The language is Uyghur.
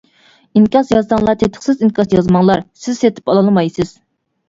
ئىنكاس يازساڭلار تېتىقسىز ئىنكاس يازماڭلار. سىز سېتىپ ئالالمايسىز!